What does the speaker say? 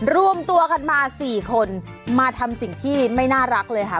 รวมตัวกันมา๔คนมาทำสิ่งที่ไม่น่ารักเลยค่ะ